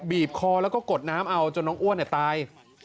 บีบคอแล้วก็กดน้ำเอาจนน้องอ้วนตาย